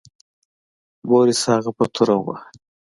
بوریس هغه په توره وواهه.